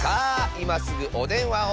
いますぐおでんわを。